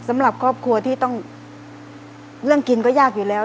สำหรับครอบครัวที่ต้องเรื่องกินก็ยากอยู่แล้ว